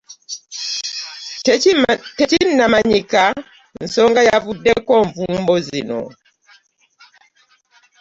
Tekinnamanyika nsonga yavuddeko nvumbo zino.